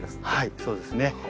はいそうですね。